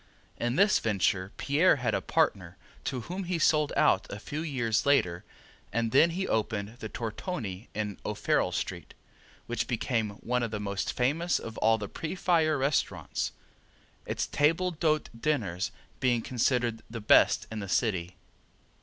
In this venture Pierre had a partner, to whom he sold out a few years later and then he opened the Tortoni in O'Farrell street, which became one of the most famous of the pre fire restaurants, its table d'hote dinners being considered the best in the city.